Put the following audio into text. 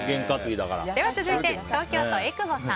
続いて東京都の方。